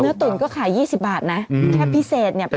เนื้อตุ๋นก็ขาย๒๐บาทนะแค่พิเศษเนี่ยเป็น๓๐